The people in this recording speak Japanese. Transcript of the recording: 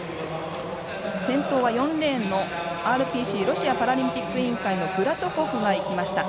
先頭は４レーンのＲＰＣ＝ロシアパラリンピック委員会のグラトコフがいきました。